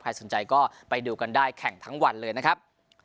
สนใจก็ไปดูกันได้แข่งทั้งวันเลยนะครับ